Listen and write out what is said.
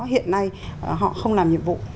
hiện nay họ không làm nhiệm vụ